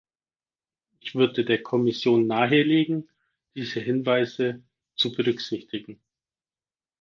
Ich würde der Kommission nahelegen, diese Hinweise zu berücksichtigen.